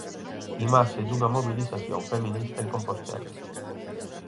Imaxe dunha mobilización feminista en Compostela.